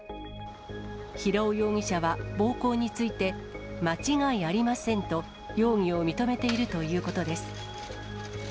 平尾容疑者は暴行について、間違いありませんと、容疑を認めているということです。